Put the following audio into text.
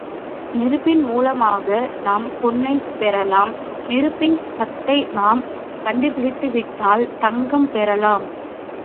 நெருப்பின் மூலமாக நாம் பொன்னைப் பெறலாம், நெருப்பின் சத்தை நாம் கண்டுபிடித்துவிட்டால் தங்கம் பெறலாம்.